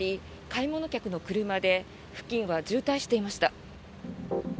買い物客の車で付近は渋滞していました。